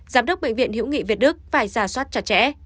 giám đốc bệnh viện hữu nghị việt đức phải ra soát chặt chẽ